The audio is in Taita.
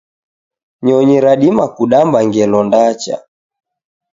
Nyonyi radima kudamba ngelo ndacha